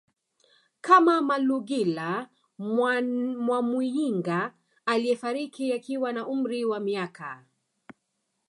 kama Malugila Mwamuyinga aliyefariki akiwa na umri wa miaka